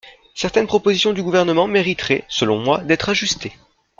Certaines propositions du Gouvernement mériteraient, selon moi, d’être ajustées.